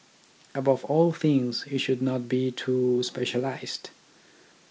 Above all things it should not be too specialised.